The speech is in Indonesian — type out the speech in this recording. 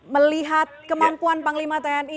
melihat kemampuan panglima tni